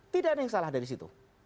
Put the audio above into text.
tidak ada yang salah dari situ